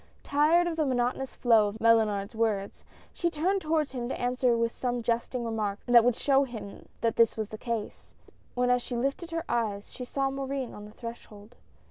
Tired of the monotonous flow of Mellunard's words, she turned toward him to answer with some jesting remark that would show him that this was the case, when as she lifted her eyes, she saw Morin on the threshold.